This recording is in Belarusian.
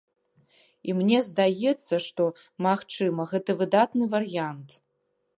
І мне здаецца, што, магчыма, гэта выдатны варыянт.